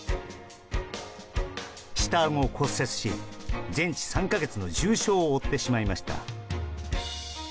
下あごを骨折し、全治３か月の重傷を負ってしまいました。